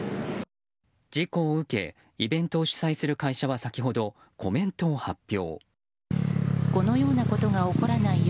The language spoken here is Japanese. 事故を受けイベントを主催する会社は先ほどコメントを発表。